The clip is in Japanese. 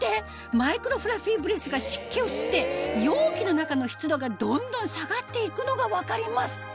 マイクロフラッフィーブレスが湿気を吸って容器の中の湿度がどんどん下がっていくのが分かります